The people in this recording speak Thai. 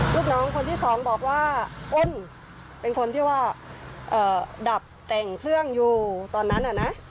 ลูกน้องคนที่สองบอกว่าอ้นเป็นคนที่ว่าดับแต่งเครื่องอยู่ตอนนั้นน่ะนะ